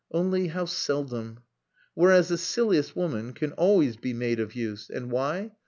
Only, how seldom.... Whereas the silliest woman can always be made of use. And why?